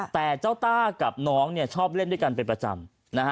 แต่เจ้าต้ากับน้องชอบเล่นด้วยกันเป็นประจำนะฮะ